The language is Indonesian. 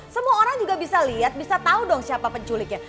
semua orang juga bisa lihat bisa tahu dong siapa penculiknya